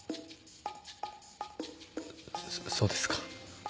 そそうですか。